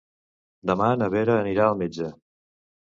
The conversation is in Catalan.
Demà na Vera anirà al metge.